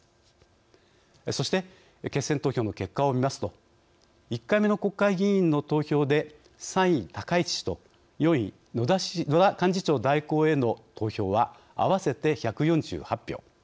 そして決選投票の結果を見ますと１回目の国会議員の投票で３位、高市氏と４位、野田幹事長代行への投票は合わせて１４８票。